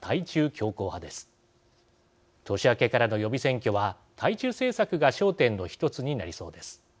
年明けからの予備選挙は対中政策が焦点の一つになりそうです。